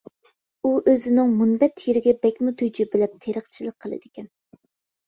ئۇ ئۆزىنىڭ مۇنبەت يېرىگە بەكمۇ تۈجۈپىلەپ تېرىقچىلىق قىلىدىكەن.